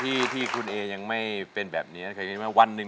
เปลี่ยนเพลงเพลงเก่งของคุณและข้ามผิดได้๑คำ